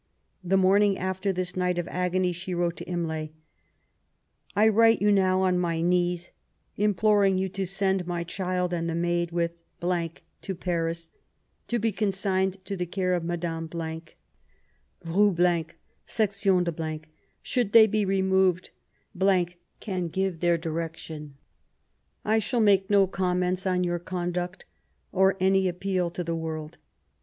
The morning after this night of agony she wrote to Imlay :— I write you now on my knees, imploring yon to send my child and the maid with to Paris, to be consigned to the care of Madame , Rue , Section de . Should they be removed, can giye their direction. ... IMLA TS DESERTION. 1 47 I shall make no comments on your condnct or any appeal to the "world.